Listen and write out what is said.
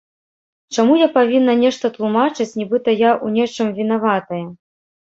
Чаму я павінна нешта тлумачыць, нібыта я ў нечым вінаватая?